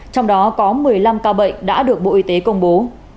trong đó có một mươi năm ca bệnh đã được bộ y tế công bố